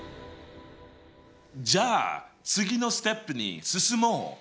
じゃあ次のステップに進もう！